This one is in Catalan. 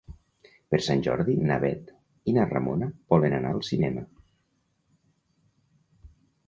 Per Sant Jordi na Bet i na Ramona volen anar al cinema.